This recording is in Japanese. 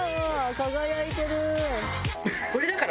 輝いてる。